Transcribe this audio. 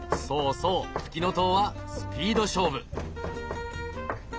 そうそうフキノトウはスピード勝負。